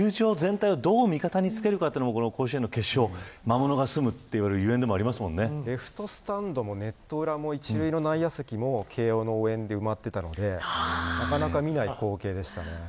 球場全体をどう味方に付けるかというのは甲子園の決勝に魔物がすむといわれる所以でも内野席も慶応の応援で埋まっていたのでなかなか見ない光景でしたね。